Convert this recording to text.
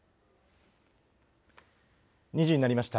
２時になりました。